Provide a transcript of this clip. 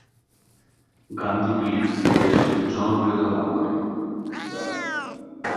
গান দুটি বেশ জনপ্রিয়তা লাভ করে।